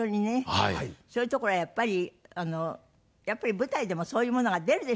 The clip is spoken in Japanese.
そういうところはやっぱりやっぱり舞台でもそういうものが出るでしょう